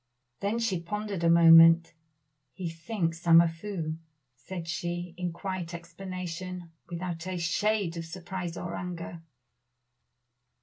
Then she pondered a moment. "He thinks I am a fool," said she, in quiet explanation, without a shade of surprise or anger.